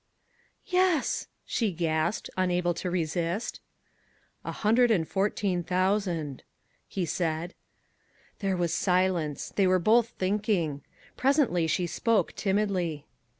"Yes," she gasped, unable to resist. "A hundred and fourteen thousand," he said. There was silence. They were both thinking. Presently she spoke, timidly.